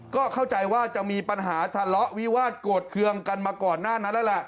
ก็เข้าใจว่าจะมีปัญหาทะเลาะวิวาสโกรธเคืองกันมาก่อนหน้านั้นแล้วล่ะ